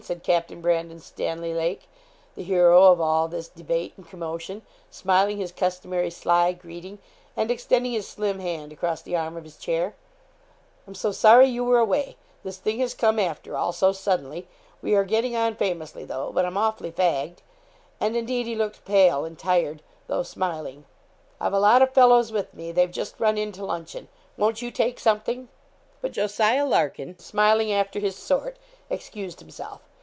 said Captain Brandon Stanley Lake, the hero of all this debate and commotion, smiling his customary sly greeting, and extending his slim hand across the arm of his chair 'I'm so sorry you were away this thing has come, after all, so suddenly we are getting on famously though but I'm awfully fagged.' And, indeed, he looked pale and tired, though smiling. 'I've a lot of fellows with me; they've just run in to luncheon; won't you take something?' But Jos. Larkin, smiling after his sort, excused himself.